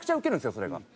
それが。